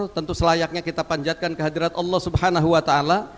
tentu selayaknya kita panjatkan kehadirat allah subhanahu wa ta ala